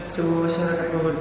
semua masyarakat probolinggo